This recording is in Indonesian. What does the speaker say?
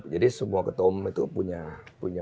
jadi semua ketua umum itu punya